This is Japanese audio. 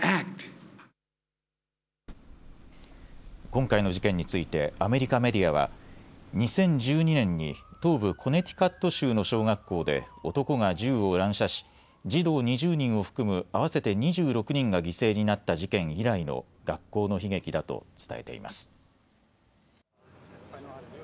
今回の事件についてアメリカメディアは２０１２年に東部コネティカット州の小学校で男が銃を乱射し児童２０人を含む合わせて２６人が犠牲になった事件以来の学校の悲劇だと伝えています。